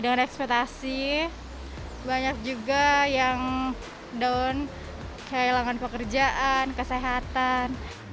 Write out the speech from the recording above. dengan ekspektasi banyak juga yang down kehilangan pekerjaan kesehatan